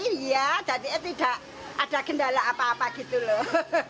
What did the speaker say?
iya jadi tidak ada kendala apa apa gitu loh